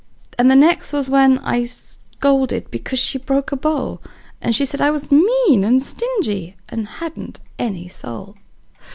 And the next was when I scolded because she broke a bowl; And she said I was mean and stingy, and hadn't any soul.